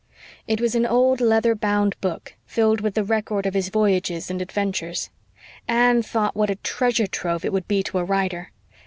It was an old leather bound book filled with the record of his voyages and adventures. Anne thought what a treasure trove it would be to a writer.